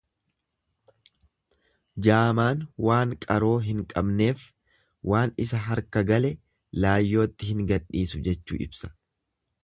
Jaamaan waan qaroo hin qabneef waan isa harka gale laayyootti hin gadhiisu, jechuu ibsa.